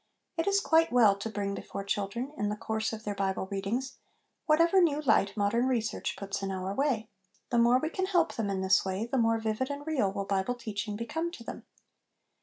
It is quite well to bring before children, in the course of their Bible readings, whatever new light modern research puts in our way ; the more we can help them in this way, the more vivid and real will Bible teach ing become to them.